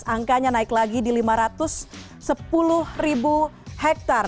dua ribu delapan belas angkanya naik lagi di lima ratus sepuluh hektare